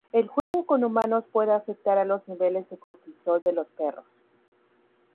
El juego con humanos puede afectar a los niveles de cortisol de los perros.